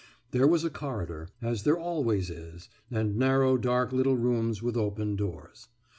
There was a corridor, as there always is, and narrow dark little rooms with open doors.